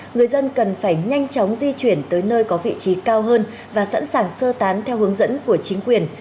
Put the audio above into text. người dân cần phải nhanh chóng di chuyển tới nơi có vị trí cao hơn và sẵn sàng sơ tán theo hướng dẫn của chính quyền